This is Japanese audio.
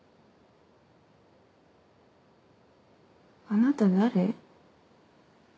あなた誰？